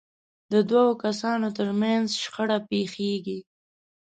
د دوو کسانو ترمنځ شخړه پېښېږي.